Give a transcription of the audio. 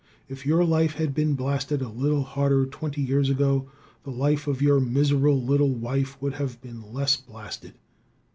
If your life had been blasted a little harder twenty years ago, the life of your miserable little wife would have been less blasted.